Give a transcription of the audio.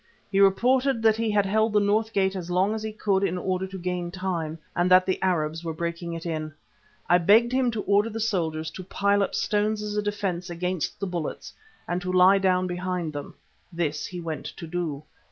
He reported that he had held the north gate as long as he could in order to gain time, and that the Arabs were breaking it in. I begged him to order the soldiers to pile up stones as a defence against the bullets and to lie down behind them. This he went to do.